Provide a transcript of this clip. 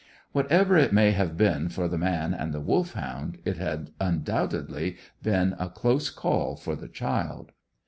Whatever it may have been for the man and the Wolfhound, it had undoubtedly been a close call for the child.